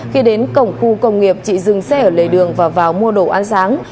khi đến cổng khu công nghiệp chị dừng xe ở lề đường và vào mua đồ ăn sáng